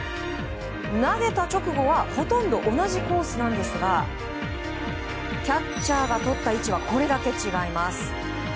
投げた直後はほとんど同じコースなんですがキャッチャーがとった位置はこれだけ違います。